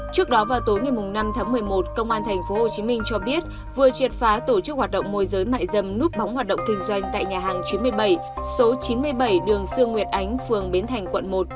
trước đó vào tối ngày năm tháng một mươi một công an tp hcm cho biết vừa triệt phá tổ chức hoạt động môi giới mại dâm núp bóng hoạt động kinh doanh tại nhà hàng chín mươi bảy số chín mươi bảy đường sư nguyệt ánh phường bến thành quận một